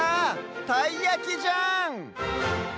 たいやきじゃん！